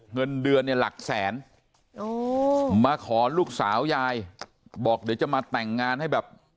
เงินเดือนเนี่ยหลักแสนมาขอลูกสาวยายบอกเดี๋ยวจะมาแต่งงานให้แบบ